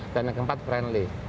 dan yang keempat friendly